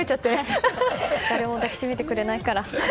誰も抱きしめてくれないから。